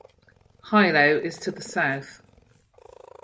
Hilo is to the south.